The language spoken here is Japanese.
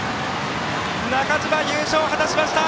中島、優勝を果たしました！